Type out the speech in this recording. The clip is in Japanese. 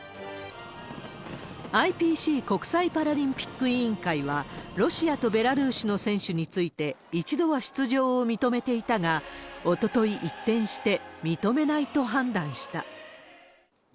ＩＰＣ・国際パラリンピック委員会は、ロシアとベラルーシの選手について、一度は出場を認めていたが、おととい、一転して認めないと判断した。